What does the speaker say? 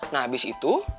nah abis itu